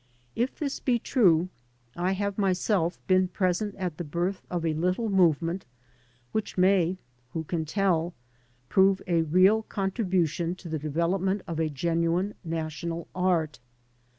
If this be true, I have myself been present at the birth of a little movement which may — who can tell? — ^prove a real contribution to the develop ment of a genuine national art.